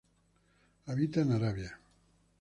Habita en Arabia.